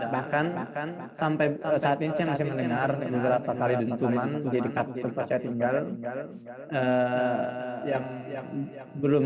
bahkan sampai saat ini saya masih mendengar beberapa kali dentuman di dekat kota saya tinggal yang belum